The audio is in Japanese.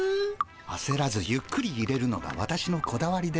あせらずゆっくりいれるのが私のこだわりです。